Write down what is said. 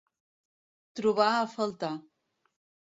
Trobar a faltar.